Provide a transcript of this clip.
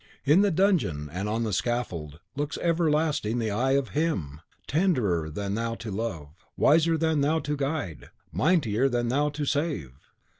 In the dungeon and on the scaffold looks everlasting the Eye of HIM, tenderer than thou to love, wiser than thou to guide, mightier than thou to save!"